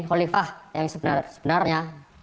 khalifah yang sebenarnya